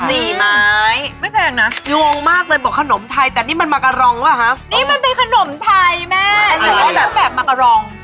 นี่มันเป็นขนมไทยแม่อันนี้เป็นแบบมะกะลอง